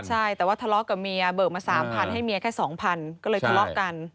ใช่แต่ว่าทะเลาะกับเมียเบิกมา๓๐๐ให้เมียแค่๒๐๐ก็เลยทะเลาะกัน